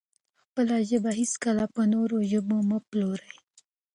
خپله ژبه هېڅکله په نورو ژبو مه پلورئ.